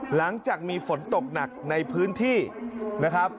หลังจากมีฝนตกหนักในพื้นที่นะครับ